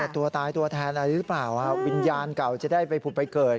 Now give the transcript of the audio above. ตัวตายตัวแทนอะไรหรือเปล่าวิญญาณเก่าจะได้ไปผุดไปเกิด